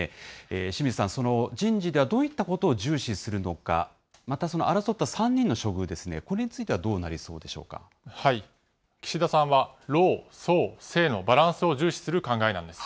清水さん、その人事ではどういったことを重視するのか、また、その争った３人の処遇ですね、これについてはどうなりそうでしょう岸田さんは、老壮青のバランスを重視する考えなんです。